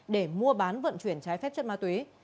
để mua bán vận chuyển trái phép chất ma túy